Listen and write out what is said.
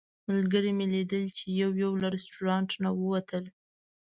ملګري مې لیدل چې یو یو له رسټورانټ نه ووتل.